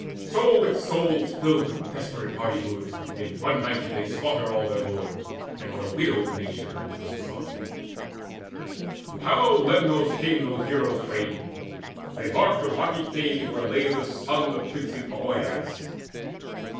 So with souls filled with desperate hardihood In one night did they slaughter all their lords; And on a widowed nation rose the sun. To hallowed Lemnos came those heroes twain; They marked the rocky cave where lay the son Of princely Poeas.